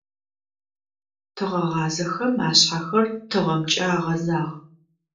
Тыгъэгъазэхэм ашъхьэхэр тыгъэмкӀэ агъэзагъ.